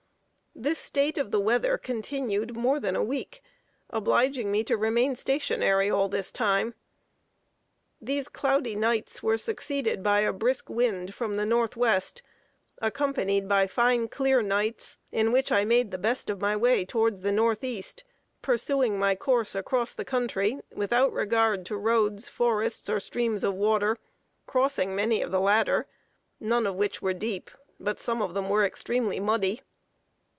This state of the weather continued more than a week; obliging me to remain stationary all this time. These cloudy nights were succeeded by a brisk wind from the north west, accompanied by fine clear nights, in which I made the best of my way towards the north east, pursuing my course across the country without regard to roads, forests, or streams of water; crossing many of the latter, none of which were deep, but some of them were extremely muddy.